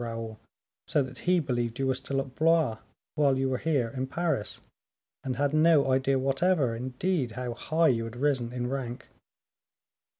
Raoul, so that he believed you were still at Blois while you were here in Paris, and had no idea whatever, indeed, how high you had risen in rank."